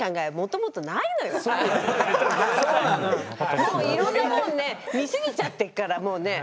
もういろんなもんね見過ぎちゃってっからもうねもう駄目。